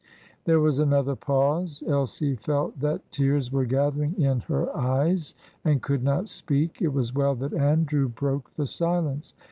There was another pause. Elsie felt that tears were gathering in her eyes and could not speak. It was well that Andrew broke the silence.